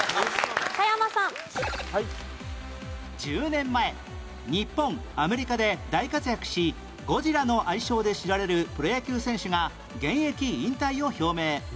１０年前日本アメリカで大活躍し「ゴジラ」の愛称で知られるプロ野球選手が現役引退を表明